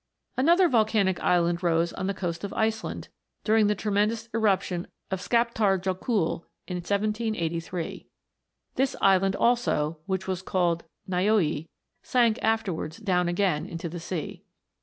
Another volcanic island rose on the coast of Ice land, during the tremendous eruption of Skaptaar Jokul, in 1783. This island also, which was called Nyb'e, sank afterwards down again into the sea.